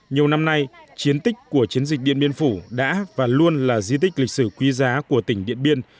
nhiều năm nay chiến tích của chiến dịch điện biên phủ đã và luôn là di tích lịch sử quý giá của tỉnh điện biên